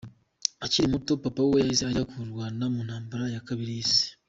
Akiri muto, papa we yahise ajya kurwana mu ntambara ya kabiri y’isi yose.